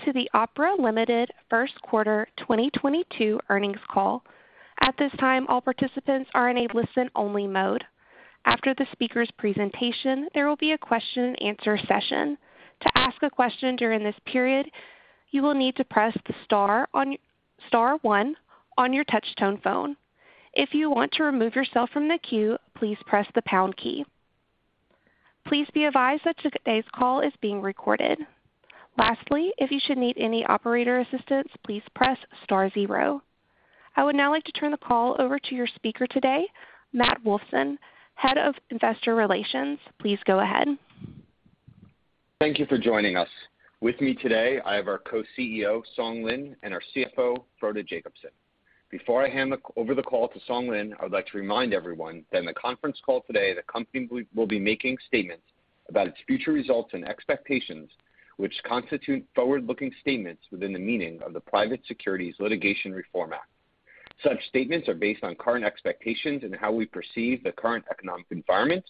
Welcome to the Opera Limited First Quarter 2022 earnings call. At this time, all participants are in a listen-only mode. After the speaker's presentation, there will be a question and answer session. To ask a question during this period, you will need to press star one on your touch tone phone. If you want to remove yourself from the queue, please press the pound key. Please be advised that today's call is being recorded. Lastly, if you should need any operator assistance, please press star zero. I would now like to turn the call over to your speaker today, Matt Wolfson, Head of Investor Relations. Please go ahead. Thank you for joining us. With me today, I have our Co-CEO, Song Lin, and our CFO, Frode Jacobsen. Before I hand over the call to Song Lin, I would like to remind everyone that in the conference call today, the company will be making statements about its future results and expectations, which constitute forward-looking statements within the meaning of the Private Securities Litigation Reform Act. Such statements are based on current expectations and how we perceive the current economic environment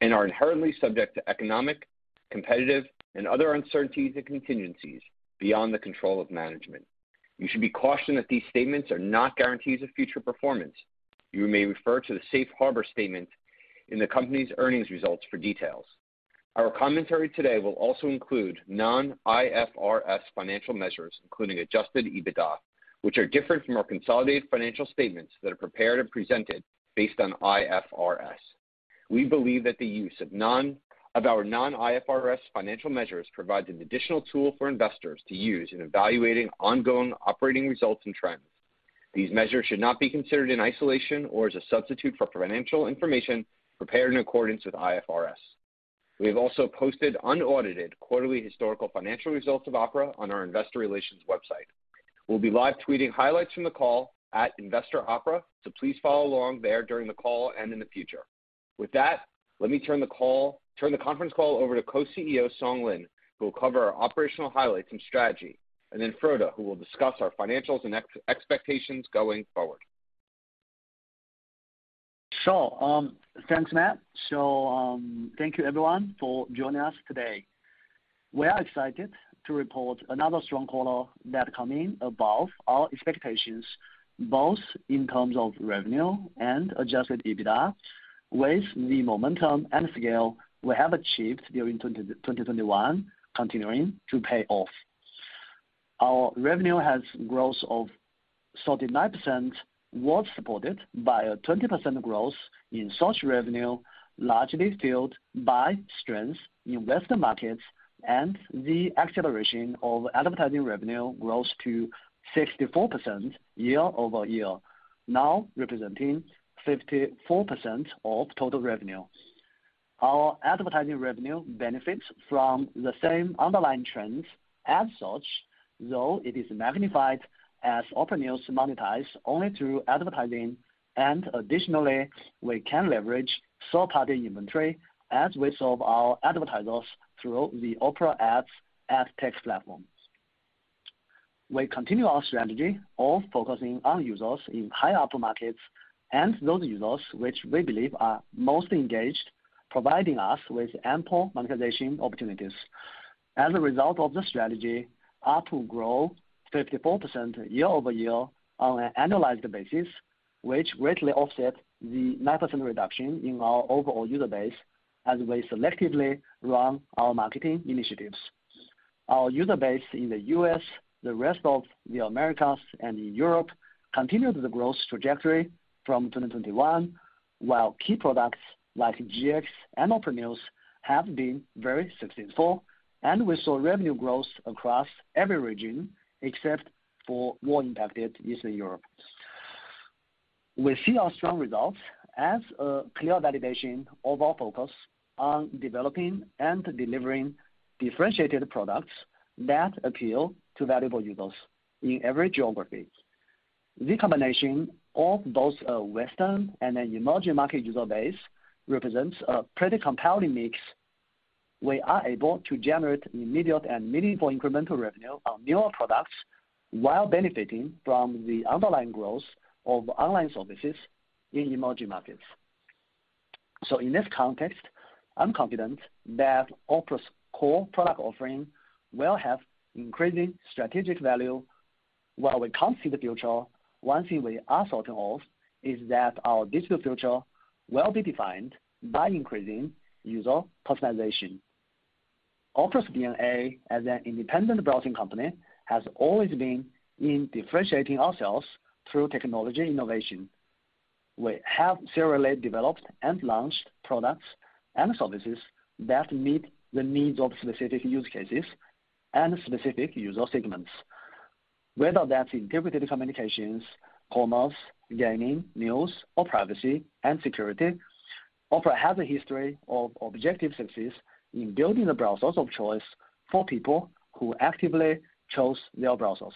and are inherently subject to economic, competitive, and other uncertainties and contingencies beyond the control of management. You should be cautioned that these statements are not guarantees of future performance. You may refer to the safe harbor statement in the company's earnings results for details. Our commentary today will also include non-IFRS financial measures, including adjusted EBITDA, which are different from our consolidated financial statements that are prepared and presented based on IFRS. We believe that the use of our non-IFRS financial measures provides an additional tool for investors to use in evaluating ongoing operating results and trends. These measures should not be considered in isolation or as a substitute for financial information prepared in accordance with IFRS. We have also posted unaudited quarterly historical financial results of Opera on our investor relations website. We'll be live tweeting highlights from the call at @InvestorOpera, so please follow along there during the call and in the future. With that, let me turn the conference call over to Co-CEO Song Lin, who will cover our operational highlights and strategy, and then Frode, who will discuss our financials and expectations going forward. Thank you everyone for joining us today. We are excited to report another strong quarter that came in above our expectations, both in terms of revenue and adjusted EBITDA. With the momentum and scale we have achieved during 2021 continuing to pay off. Our revenue grew 39%, supported by a 20% growth in search revenue, largely fueled by strengths in Western markets and the acceleration of advertising revenue growth to 64% year-over-year, now representing 54% of total revenue. Our advertising revenue benefits from the same underlying trends as search, though it is magnified as Opera News monetizes only through advertising. Additionally, we can leverage third-party inventory as we serve our advertisers through the Opera Ads ad tech platform. We continue our strategy of focusing on users in high-output markets and those users which we believe are most engaged, providing us with ample monetization opportunities. As a result of this strategy, ARPU grow 54% year-over-year on an annualized basis, which greatly offset the 9% reduction in our overall user base as we selectively run our marketing initiatives. Our user base in the U.S., the rest of the Americas, and in Europe continued the growth trajectory from 2021, while key products like GX and Opera News have been very successful, and we saw revenue growth across every region except for war-impacted Eastern Europe. We see our strong results as a clear validation of our focus on developing and delivering differentiated products that appeal to valuable users in every geography. The combination of both a Western and an emerging market user base represents a pretty compelling mix. We are able to generate immediate and meaningful incremental revenue on newer products while benefiting from the underlying growth of online services in emerging markets. In this context, I'm confident that Opera's core product offering will have increasing strategic value. While we can't see the future, one thing we are certain of is that our digital future will be defined by increasing user personalization. Opera's DNA as an independent browsing company has always been in differentiating ourselves through technology innovation. We have serially developed and launched products and services that meet the needs of specific use cases and specific user segments. Whether that's integrated communications, commerce, gaming, news, or privacy and security, Opera has a history of objective success in building the browsers of choice for people who actively chose their browsers.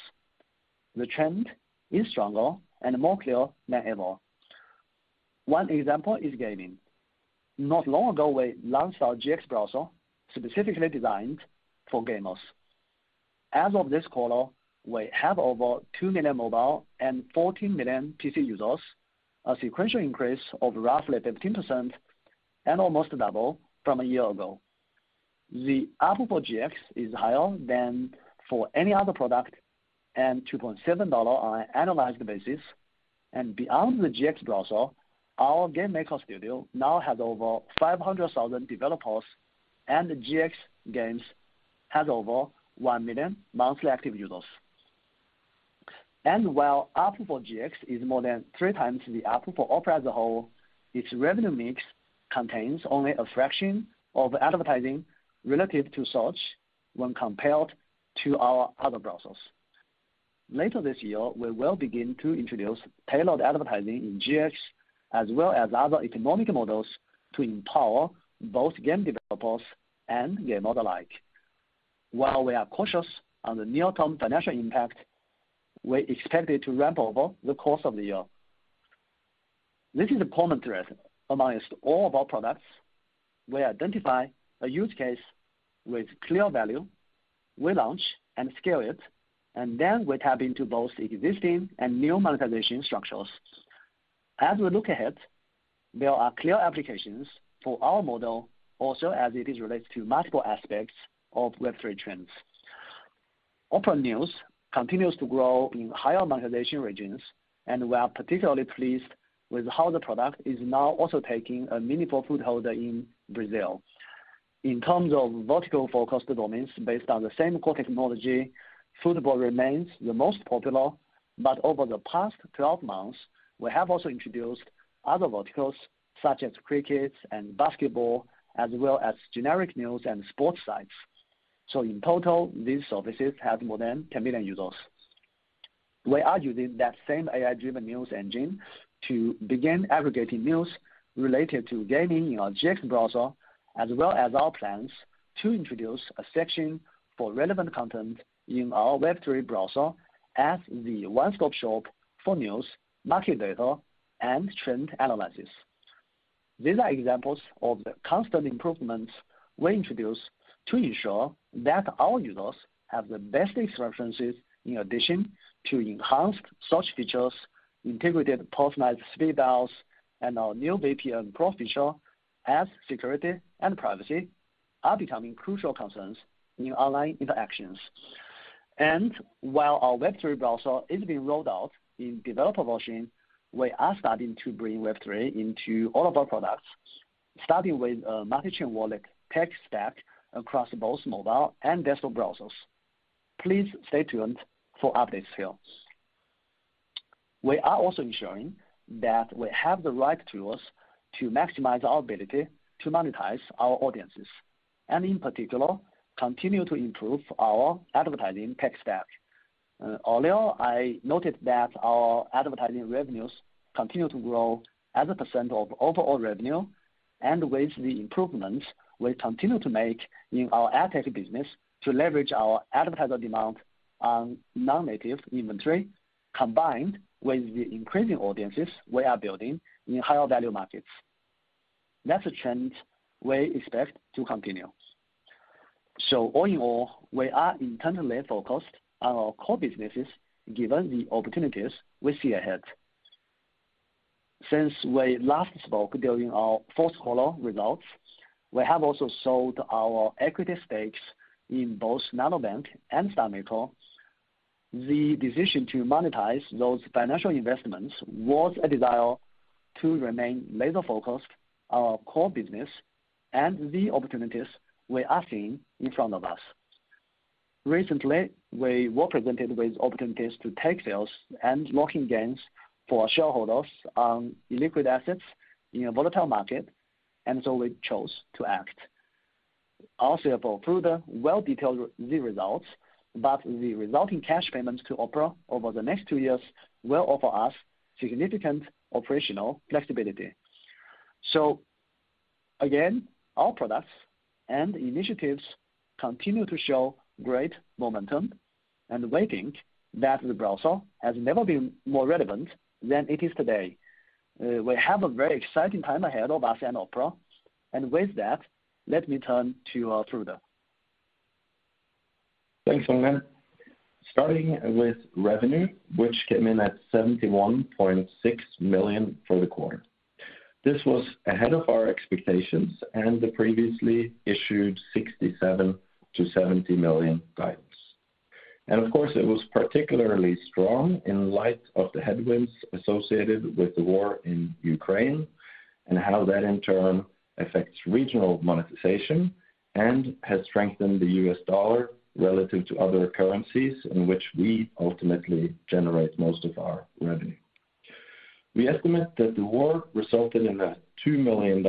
The trend is stronger and more clear than ever. One example is gaming. Not long ago, we launched our GX browser specifically designed for gamers. As of this quarter, we have over 2 million mobile and 14 million PC users, a sequential increase of roughly 15% and almost double from a year ago. The ARPU for GX is higher than for any other product, and $2.7 on an annualized basis. Beyond the GX browser, our GameMaker Studio now has over 500,000 developers, and the GX.games has over 1 million monthly active users. While ARPU for GX is more than three times the ARPU for Opera as a whole, its revenue mix contains only a fraction of advertising relative to search when compared to our other browsers. Later this year, we will begin to introduce tailored advertising in GX, as well as other economic models to empower both game developers and gamers alike. While we are cautious on the near-term financial impact, we expect it to ramp over the course of the year. This is a common thread among all of our products. We identify a use case with clear value, we launch and scale it, and then we tap into both existing and new monetization structures. As we look ahead, there are clear applications for our model also as it is related to multiple aspects of Web3 trends. Opera News continues to grow in higher monetization regions, and we are particularly pleased with how the product is now also taking a meaningful foothold in Brazil. In terms of vertical focused domains based on the same core technology, football remains the most popular, but over the past 12 months, we have also introduced other verticals such as cricket and basketball, as well as generic news and sports sites. In total, these services have more than 10 million users. We are using that same AI-driven news engine to begin aggregating news related to gaming in our GX browser, as well as our plans to introduce a section for relevant content in our Web3 browser as the one-stop shop for news, market data, and trend analysis. These are examples of the constant improvements we introduce to ensure that our users have the best experiences in addition to enhanced search features, integrated personalized speed dials, and our new VPN Pro feature as security and privacy are becoming crucial concerns in online interactions. While our Web3 browser is being rolled out in developer version, we are starting to bring Web3 into all of our products, starting with a multichain wallet tech stack across both mobile and desktop browsers. Please stay tuned for updates here. We are also ensuring that we have the right tools to maximize our ability to monetize our audiences, and in particular, continue to improve our advertising tech stack. Earlier, I noted that our advertising revenues continue to grow as a % of overall revenue, and with the improvements we continue to make in our ad tech business to leverage our advertiser demand on non-native inventory, combined with the increasing audiences we are building in higher value markets. That's a trend we expect to continue. All in all, we are internally focused on our core businesses given the opportunities we see ahead. Since we last spoke during our fourth quarter results, we have also sold our equity stakes in both Nanobank and StarMaker. The decision to monetize those financial investments was a desire to remain laser-focused our core business and the opportunities we are seeing in front of us. Recently, we were presented with opportunities to sell and lock in gains for shareholders on illiquid assets in a volatile market, and so we chose to act. We'll further detail the results, but the resulting cash payments to Opera over the next two years will offer us significant operational flexibility. Again, our products and initiatives continue to show great momentum, and we think that the browser has never been more relevant than it is today. We have a very exciting time ahead of us and Opera. With that, let me turn to Frode. Thanks, Song Lin. Starting with revenue, which came in at $71.6 million for the quarter. This was ahead of our expectations and the previously issued $67 million-$70 million guidance. Of course, it was particularly strong in light of the headwinds associated with the war in Ukraine and how that in turn affects regional monetization and has strengthened the US dollar relative to other currencies in which we ultimately generate most of our revenue. We estimate that the war resulted in a $2 million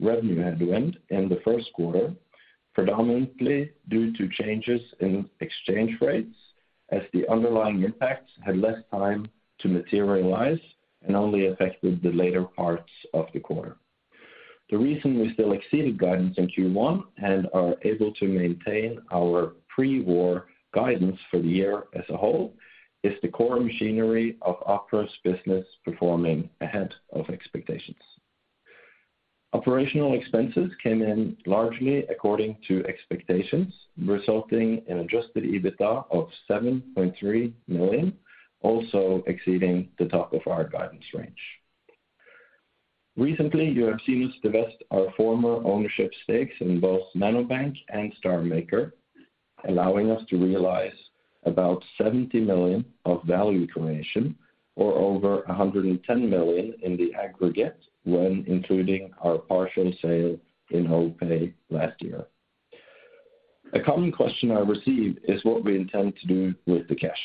revenue headwind in the first quarter, predominantly due to changes in exchange rates as the underlying impact had less time to materialize and only affected the later parts of the quarter. The reason we still exceeded guidance in Q1 and are able to maintain our pre-war guidance for the year as a whole is the core machinery of Opera's business performing ahead of expectations. Operational expenses came in largely according to expectations, resulting in adjusted EBITDA of $7.3 million, also exceeding the top of our guidance range. Recently, you have seen us divest our former ownership stakes in both Nanobank and StarMaker, allowing us to realize about $70 million of value creation or over $110 million in the aggregate when including our partial sale in OPay last year. A common question I receive is what we intend to do with the cash.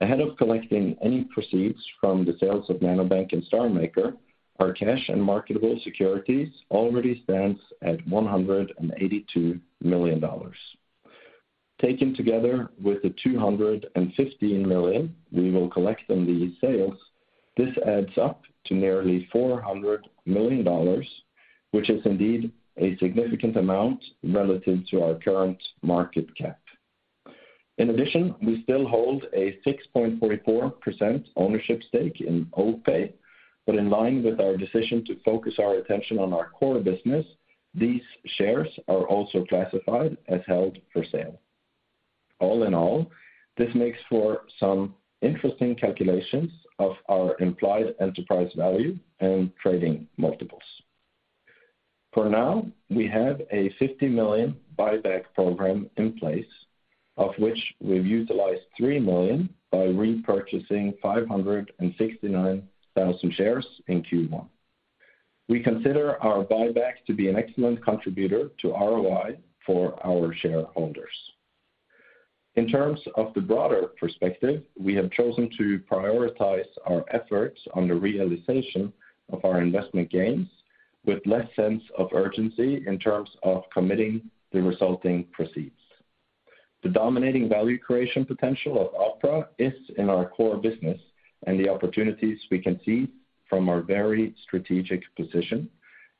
Ahead of collecting any proceeds from the sales of Nanobank and StarMaker, our cash and marketable securities already stands at $182 million. Taken together with the $215 million we will collect on these sales, this adds up to nearly $400 million, which is indeed a significant amount relative to our current market cap. In addition, we still hold a 6.44% ownership stake in OPay. In line with our decision to focus our attention on our core business, these shares are also classified as held for sale. All in all, this makes for some interesting calculations of our implied enterprise value and trading multiples. For now, we have a $50 million buyback program in place, of which we've utilized $3 million by repurchasing 569,000 shares in Q1. We consider our buyback to be an excellent contributor to ROI for our shareholders. In terms of the broader perspective, we have chosen to prioritize our efforts on the realization of our investment gains with less sense of urgency in terms of committing the resulting proceeds. The dominating value creation potential of Opera is in our core business and the opportunities we can see from our very strategic position.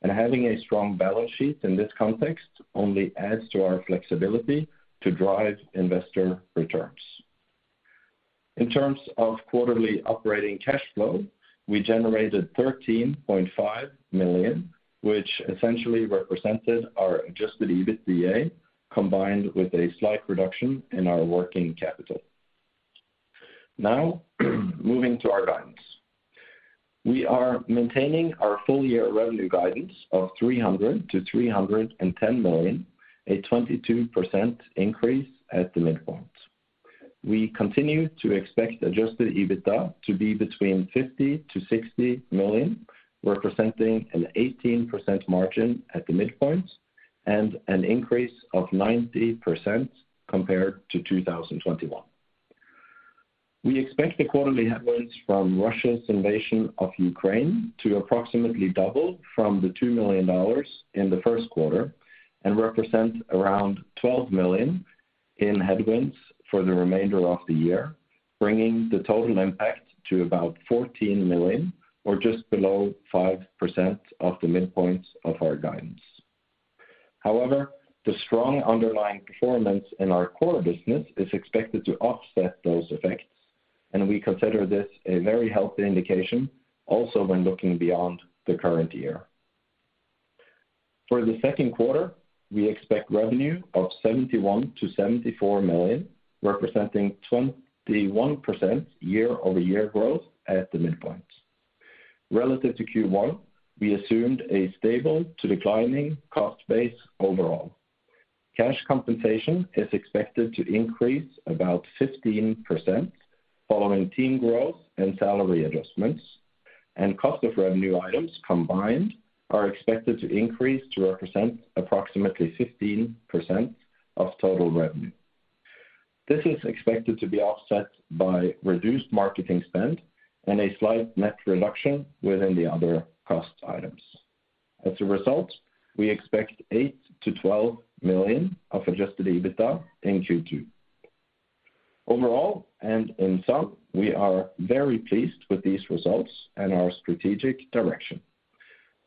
Having a strong balance sheet in this context only adds to our flexibility to drive investor returns. In terms of quarterly operating cash flow, we generated $13.5 million, which essentially represented our adjusted EBITDA, combined with a slight reduction in our working capital. Now, moving to our guidance. We are maintaining our full year revenue guidance of $300 million-$310 million, a 22% increase at the midpoint. We continue to expect adjusted EBITDA to be between $50-$60 million, representing an 18% margin at the midpoint, and an increase of 90% compared to 2021. We expect the quarterly headwinds from Russia's invasion of Ukraine to approximately double from the $2 million in the first quarter, and represent around $12 million in headwinds for the remainder of the year, bringing the total impact to about $14 million or just below 5% of the midpoint of our guidance. However, the strong underlying performance in our core business is expected to offset those effects, and we consider this a very healthy indication also when looking beyond the current year. For the second quarter, we expect revenue of $71-$74 million, representing 21% year-over-year growth at the midpoint. Relative to Q1, we assumed a stable to declining cost base overall. Cash compensation is expected to increase about 15% following team growth and salary adjustments, and cost of revenue items combined are expected to increase to represent approximately 15% of total revenue. This is expected to be offset by reduced marketing spend and a slight net reduction within the other cost items. As a result, we expect $8 million-$12 million of adjusted EBITDA in Q2. Overall, and in sum, we are very pleased with these results and our strategic direction.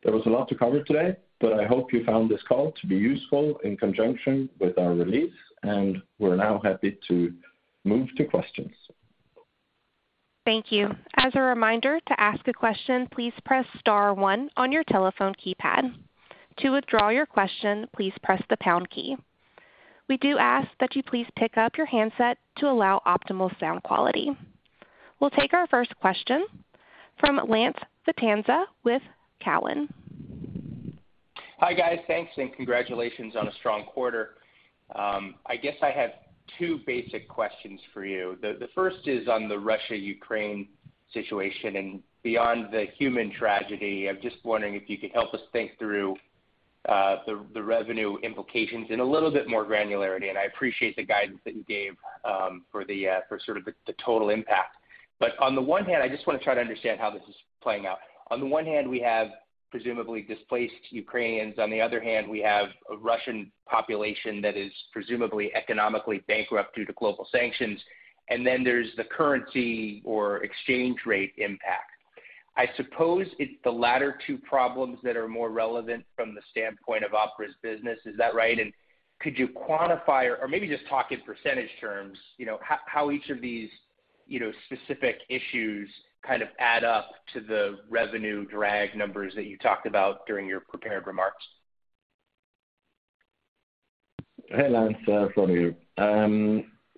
There was a lot to cover today, but I hope you found this call to be useful in conjunction with our release, and we're now happy to move to questions. Thank you. As a reminder to ask a question, please press star one on your telephone keypad. To withdraw your question, please press the pound key. We do ask that you please pick up your handset to allow optimal sound quality. We'll take our first question from Lance Vitanza with Cowen. Hi, guys. Thanks, and congratulations on a strong quarter. I guess I have two basic questions for you. The first is on the Russia-Ukraine situation and beyond the human tragedy, I'm just wondering if you could help us think through the revenue implications in a little bit more granularity. I appreciate the guidance that you gave for sort of the total impact. But on the one hand, I just wanna try to understand how this is playing out. On the one hand, we have presumably displaced Ukrainians, on the other hand, we have a Russian population that is presumably economically bankrupt due to global sanctions, and then there's the currency or exchange rate impact. I suppose it's the latter two problems that are more relevant from the standpoint of Opera's business. Is that right? Could you quantify or maybe just talk in percentage terms, you know, how each of these, you know, specific issues kind of add up to the revenue drag numbers that you talked about during your prepared remarks? Hey, Lance, Frode here.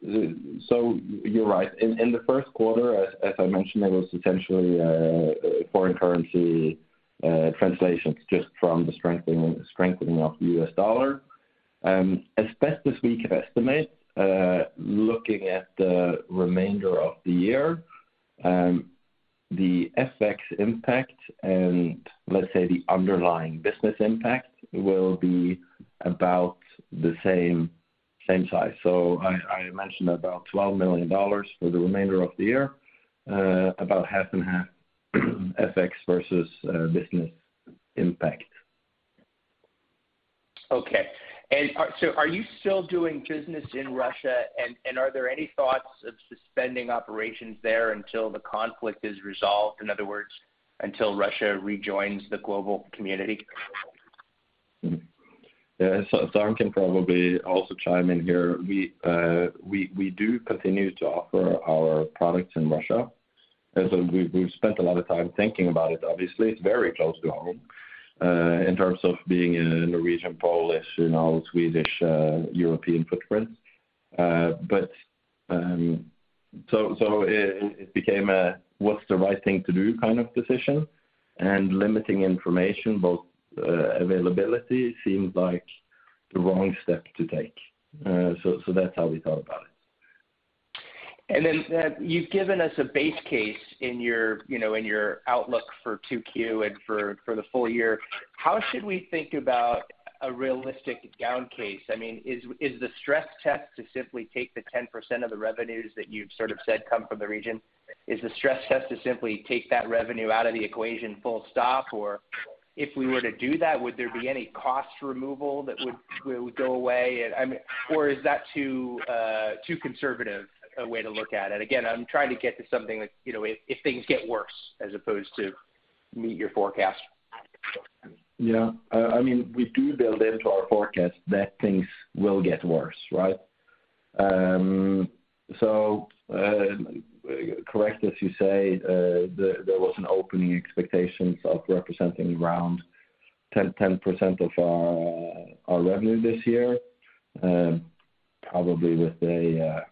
You're right. In the first quarter, as I mentioned, there was essentially foreign currency translations just from the strengthening of US dollar. As best as we can estimate, looking at the remainder of the year, the FX impact and let's say the underlying business impact will be about the same size. I mentioned about $12 million for the remainder of the year, about half and half FX versus business impact. Okay. Are you still doing business in Russia? Are there any thoughts of suspending operations there until the conflict is resolved, in other words, until Russia rejoins the global community? Yeah. Song Lin can probably also chime in here. We do continue to offer our products in Russia. We've spent a lot of time thinking about it. Obviously, it's very close to home in terms of being a Norwegian, Polish, you know, Swedish, European footprint. It became a what's the right thing to do kind of decision, and limiting information both availability seemed like the wrong step to take. That's how we thought about it. You've given us a base case in your, you know, in your outlook for 2Q and for the full year. How should we think about a realistic down case? I mean, is the stress test to simply take the 10% of the revenues that you've sort of said come from the region? Is the stress test to simply take that revenue out of the equation full stop? Or if we were to do that, would there be any cost removal that would go away? I mean, or is that too conservative a way to look at it? Again, I'm trying to get to something like, you know, if things get worse as opposed to meet your forecast. Yeah. I mean, we do build into our forecast that things will get worse, right? Correct as you say, there was an opening expectations of representing around 10% of our revenue this year, probably with a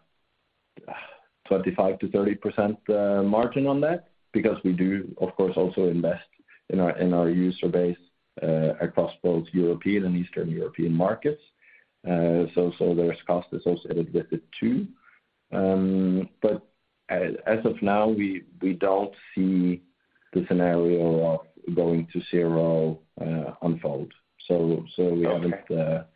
25%-30% margin on that because we do of course also invest in our user base across both European and Eastern European markets. There's cost associated with it too. As of now, we don't see the scenario of going to zero unfold. We haven't,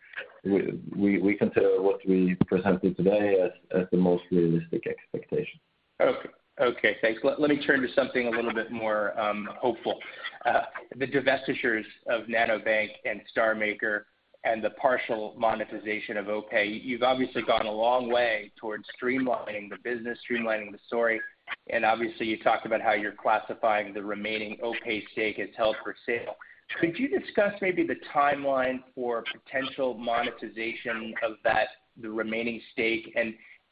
Okay. We consider what we presented today as the most realistic expectation. Okay. Okay, thanks. Let me turn to something a little bit more hopeful. The divestitures of Nanobank and StarMaker and the partial monetization of OPay, you've obviously gone a long way towards streamlining the business, streamlining the story, and obviously you talked about how you're classifying the remaining OPay stake as held for sale. Could you discuss maybe the timeline for potential monetization of that, the remaining stake?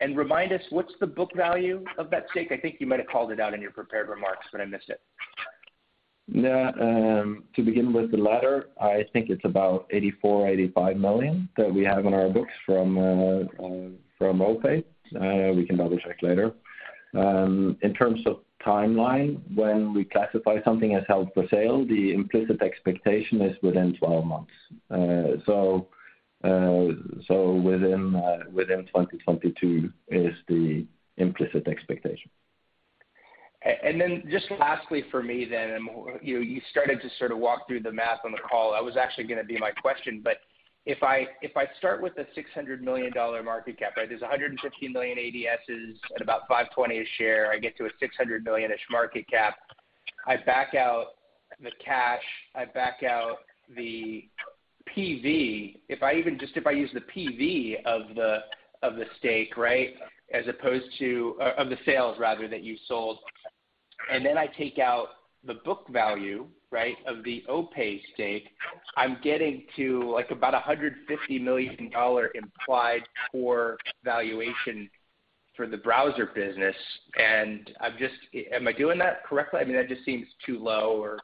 And remind us what's the book value of that stake? I think you might have called it out in your prepared remarks, but I missed it. Yeah, to begin with the latter, I think it's about $84-$85 million that we have on our books from OPay. We can double-check later. In terms of timeline, when we classify something as held for sale, the implicit expectation is within 12 months. Within 2022 is the implicit expectation. Just lastly for me, then you started to sort of walk through the math on the call. That was actually gonna be my question. If I start with the $600 million market cap, right? There's 115 million ADSs at about $5.20 a share. I get to a $600 million-ish market cap. I back out the cash. I back out the PV. If I even just use the PV of the stake, right? As opposed to of the sales rather than you sold, and then I take out the book value, right, of the OPay stake, I'm getting to like about a $150 million implied core valuation for the browser business. I'm just. Am I doing that correctly? I mean, that just seems too low, or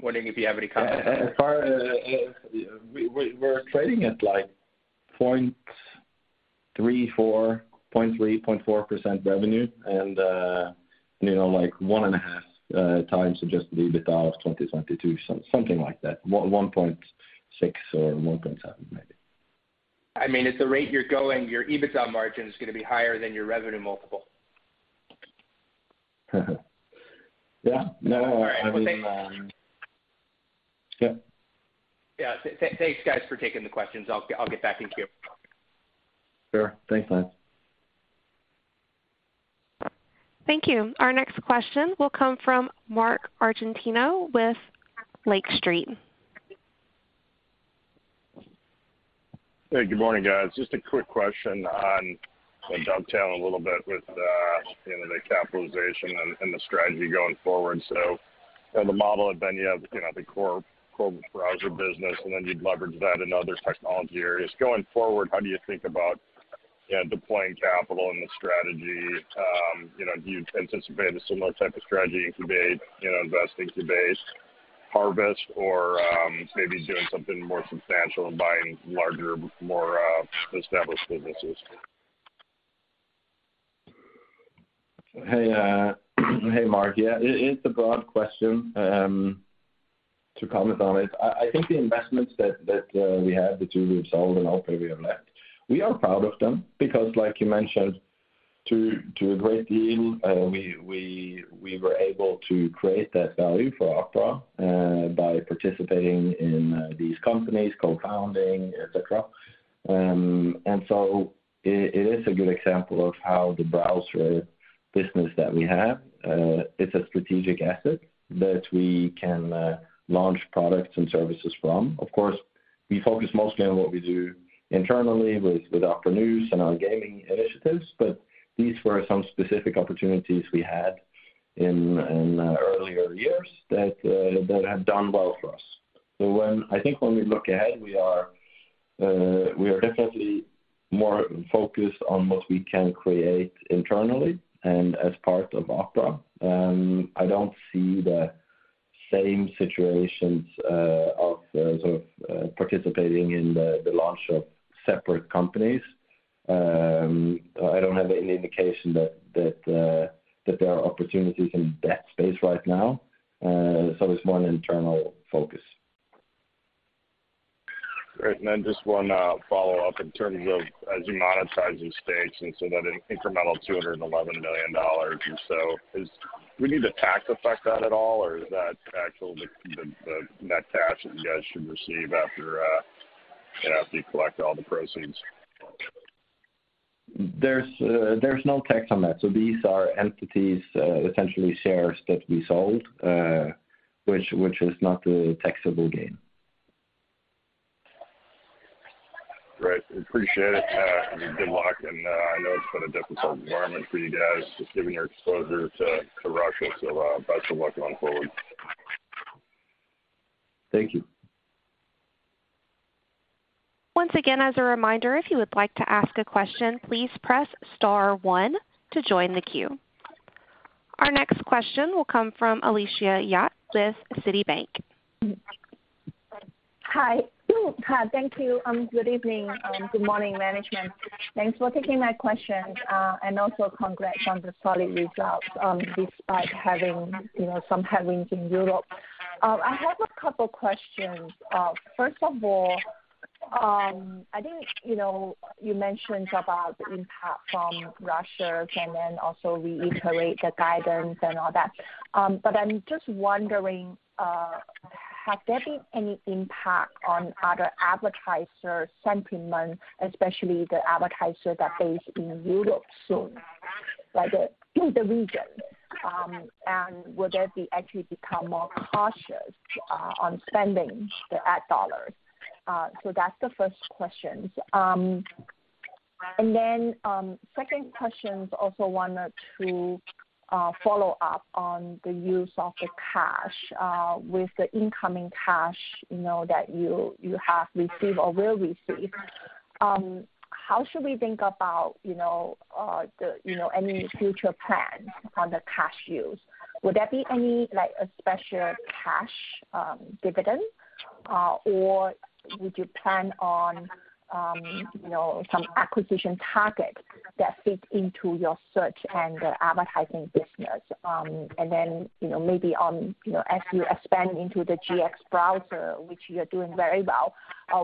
wondering if you have any comments. We're trading at, like, 0.34, 0.3, 0.4 times revenue and, you know, like 1.5 times adjusted EBITDA of 2022, something like that, 1.6 or 1.7 maybe. I mean, at the rate you're going, your EBITDA margin is gonna be higher than your revenue multiple. Yeah. No, I mean. All right. Well, thanks. Yeah. Yeah. Thanks, guys, for taking the questions. I'll get back in queue. Sure. Thanks, Lance. Thank you. Our next question will come from Mark Argento with Lake Street. Hey, good morning, guys. Just a quick question. I'll dovetail a little bit with, you know, the capitalization and the strategy going forward. In the model then you have, you know, the core browser business, and then you'd leverage that in other technology areas. Going forward, how do you think about, you know, deploying capital and the strategy? You know, do you anticipate a similar type of strategy in Cubase, you know, investing Cubase? Harvest or, maybe doing something more substantial and buying larger, more, established businesses. Hey, Mark. Yeah, it is a broad question to comment on it. I think the investments that we had, the two we've sold and Opera we have left, we are proud of them because like you mentioned, to a great deal, we were able to create that value for Opera by participating in these companies, co-founding, et cetera. It is a good example of how the browser business that we have is a strategic asset that we can launch products and services from. Of course, we focus mostly on what we do internally with Opera News and our gaming initiatives, but these were some specific opportunities we had in earlier years that have done well for us. I think when we look ahead, we are definitely more focused on what we can create internally and as part of Opera. I don't see the same situations of sort of participating in the launch of separate companies. I don't have any indication that there are opportunities in that space right now, so it's more an internal focus. Great. Just one follow-up in terms of as you monetize these stakes and so that incremental $211 million and so is. Would you need to tax effect that at all or is that actually the net cash that you guys should receive after you collect all the proceeds? There's no tax on that. These are entities, essentially shares that we sold, which is not a taxable gain. Great. Appreciate it. Good luck, and I know it's been a difficult environment for you guys just given your exposure to Russia. Best of luck going forward. Thank you. Once again, as a reminder, if you would like to ask a question, please press star one to join the queue. Our next question will come from Alicia Yap with Citigroup. Hi. Thank you. Good evening. Good morning, management. Thanks for taking my question. Also congrats on the solid results, despite having, you know, some headwinds in Europe. I have a couple questions. First of all, I think, you know, you mentioned about the impact from Russia and then also reiterate the guidance and all that. I'm just wondering, have there been any impact on other advertiser sentiment, especially the advertisers that based in Europe, so like, the region? Will they be actually become more cautious, on spending the ad dollars? That's the first question. Then, second question, also wanted to, follow up on the use of the cash. With the incoming cash, you know, that you have received or will receive, how should we think about, you know, the, you know, any future plans on the cash use? Would there be any, like, a special cash dividend, or would you plan on, you know, some acquisition target that fits into your search and advertising business? You know, maybe on, you know, as you expand into the GX browser, which you're doing very well,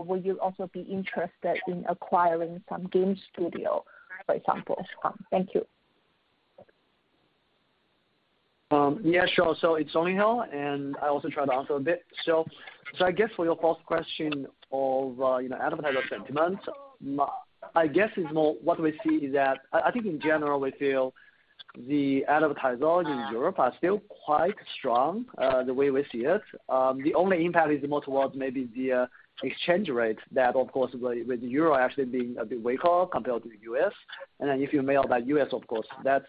will you also be interested in acquiring some game studio, for example? Thank you. Yeah, sure. It's Song Lin, and I also try to answer a bit. I guess for your first question of, you know, advertiser sentiment, I guess it's more what we see is that I think in general we feel the advertisers in Europe are still quite strong, the way we see it. The only impact is more towards maybe the exchange rate that of course with Euro actually being a bit weaker compared to the U.S. Then if you multiply by USD of course, that's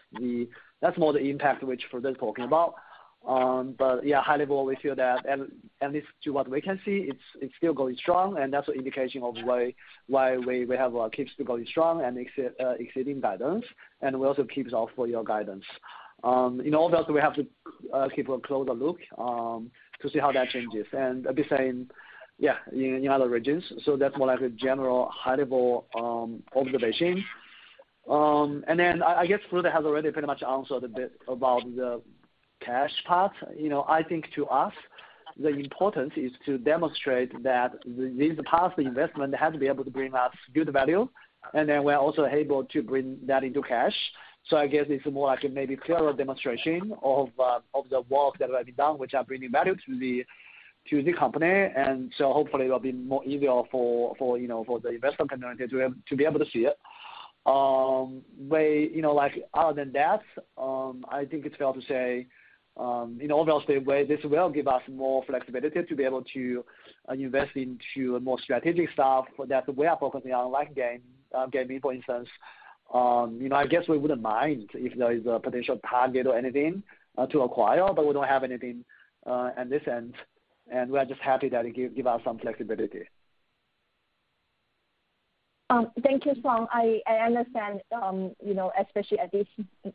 more the impact which Frode talked about. Yeah, high level we feel that at least to what we can see, it's still going strong and that's an indication of why we have to keep going strong and exceeding guidance, and we also keep an eye out for your guidance. In all that we have to take a closer look to see how that changes. I'd be saying, yeah, in other regions. That's more like a general high level observation. I guess Frode has already pretty much answered a bit about the cash part. You know, I think to us the importance is to demonstrate that these past investment had to be able to bring us good value, and then we're also able to bring that into cash. I guess it's more like a maybe clearer demonstration of the work that have been done which are bringing value to the company. Hopefully it'll be more easier for you know for the investment community to be able to see it. You know, like other than that, I think it's fair to say, in all honesty, this will give us more flexibility to be able to invest into more strategic stuff that we are focusing on, like game, gaming for instance. You know, I guess we wouldn't mind if there is a potential target or anything to acquire, but we don't have anything at this end, and we are just happy that it give us some flexibility. Thank you, Song. I understand, you know, especially at this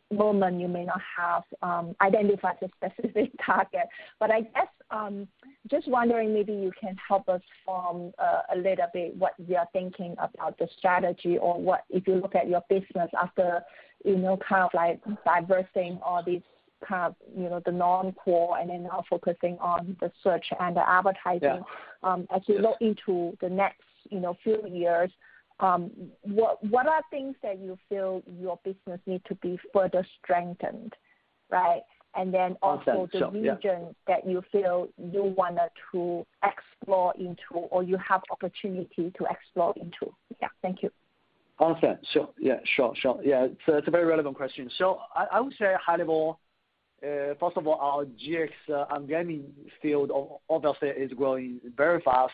moment, you may not have identified the specific target, but I guess, just wondering maybe you can help us form a little bit what you are thinking about the strategy or what if you look at your business after, you know, kind of like divesting all these kind of, you know, the non-core and then now focusing on the search and the advertising. Yeah. Um- Yes. As you look into the next, you know, few years, what are things that you feel your business need to be further strengthened, right? Understood. Sure, yeah. The regions that you feel you wanted to explore into or you have opportunity to explore into? Yeah. Thank you. Understood. Sure. Yeah, sure. Yeah. It's a very relevant question. I would say high level, first of all, our GX and gaming field obviously is growing very fast,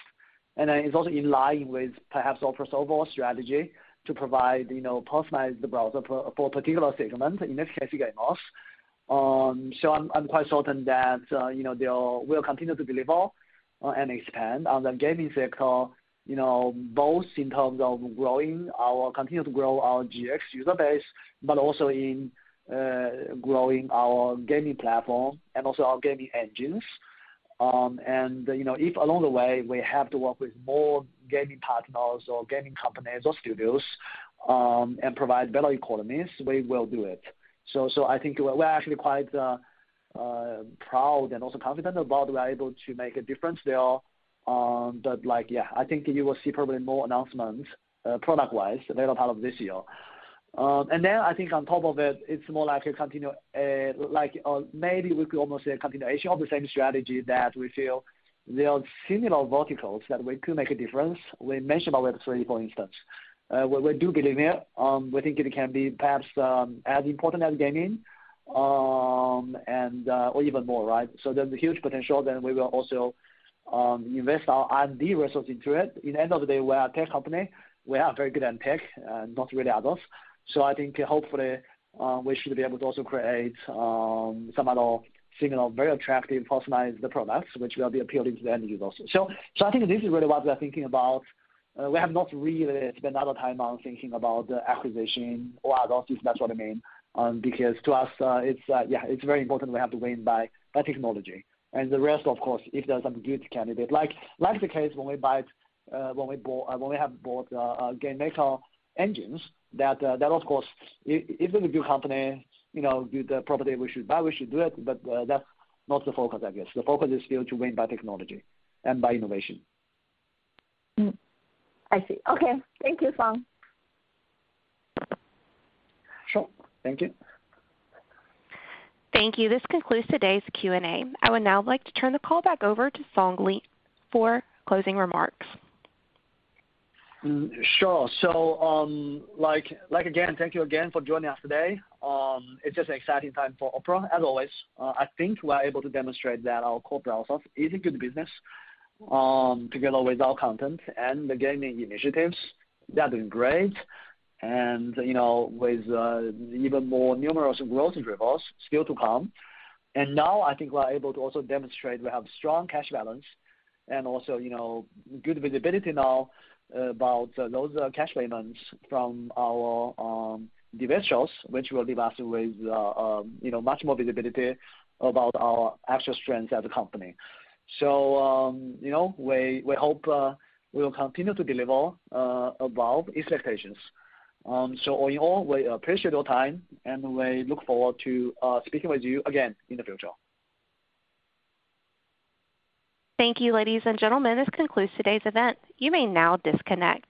and it's also in line with perhaps Opera's overall strategy to provide, you know, personalized browser for particular segment, in this case gaming also. I'm quite certain that, you know, we'll continue to deliver and expand on the gaming sector, you know, both in terms of continue to grow our GX user base, but also in growing our gaming platform and also our gaming engines. And, you know, if along the way we have to work with more gaming partners or gaming companies or studios and provide better economies, we will do it. I think we're actually quite proud and also confident about we are able to make a difference there. Like, yeah, I think you will see probably more announcements product-wise later part of this year. Then I think on top of it's more like, or maybe we could almost say a continuation of the same strategy that we feel there are similar verticals that we could make a difference. We mentioned about Web3, for instance. We do believe it. We think it can be perhaps as important as gaming and or even more, right? There's a huge potential then we will also invest our R&D resources into it. In end of the day, we are a tech company. We are very good at tech not really others. I think hopefully we should be able to also create some other similar very attractive personalized products which will be appealing to the end users. I think this is really what we are thinking about. We have not really spent a lot of time on thinking about the acquisition or others, if that's what I mean. Because to us, it's, yeah, it's very important we have to win by technology. The rest of course, if there's some good candidate like the case when we bought GameMaker engines that of course, if it's a good company, you know, good property we should buy, we should do it, but that's not the focus, I guess. The focus is still to win by technology and by innovation. I see. Okay. Thank you, Song. Sure. Thank you. Thank you. This concludes today's Q&A. I would now like to turn the call back over to Song Lin for closing remarks. Sure. Like again, thank you again for joining us today. It's just an exciting time for Opera as always. I think we are able to demonstrate that our core business is a good business, together with our content and the gaming initiatives, they are doing great, and, you know, with even more numerous growth drivers still to come. Now I think we are able to also demonstrate we have strong cash balance and also, you know, good visibility now about those cash payments from our dividends, which will leave us with, you know, much more visibility about our actual strength as a company. You know, we hope we will continue to deliver above expectations. All in all, we appreciate your time, and we look forward to speaking with you again in the future. Thank you, ladies and gentlemen. This concludes today's event. You may now disconnect.